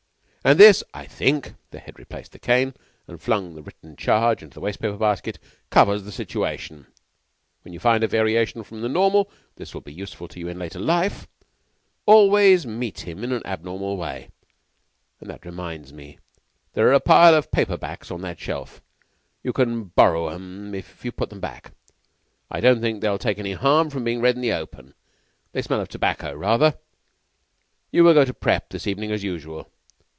"And this I think" the Head replaced the cane, and flung the written charge into the waste paper basket "covers the situation. When you find a variation from the normal this will be useful to you in later life always meet him in an abnormal way. And that reminds me. There are a pile of paper backs on that shelf. You can borrow them if you put them back. I don't think they'll take any harm from being read in the open. They smell of tobacco rather. You will go to prep. this evening as usual.